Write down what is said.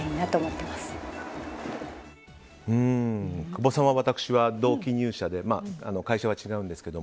久保さんは私は同期入社で会社は違うんですが。